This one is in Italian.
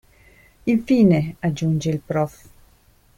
Infine, aggiunge il prof.